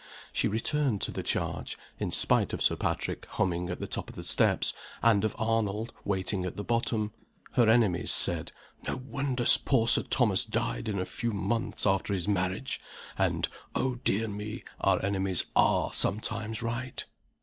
She returned to the charge in spite of Sir Patrick, humming at the top of the steps, and of Arnold, waiting at the bottom. (Her enemies said, "No wonder poor Sir Thomas died in a few months after his marriage!" And, oh dear me, our enemies are sometimes right!)